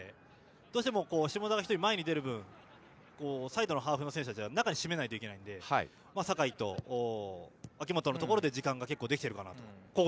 どうしても下田が１人前に出る分サイドのハーフの選手は中を締めなきゃいけないので酒井と明本のところで時間が結構できているかなと。